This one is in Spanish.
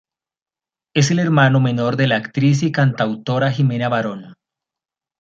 Es el hermano menor de la actriz y cantautora Jimena Barón.